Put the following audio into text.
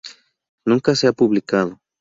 Nunca se ha publicado.